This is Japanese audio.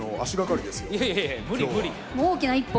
大きな一歩！